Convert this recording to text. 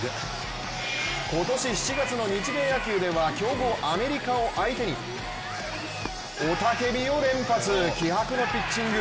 今年７月の日米野球では強豪アメリカを相手に雄たけびを連発、気迫のピッチング。